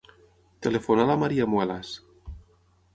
Telefona a la Maria Muelas.